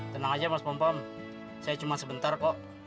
tenang aja mas pompa saya cuma sebentar kok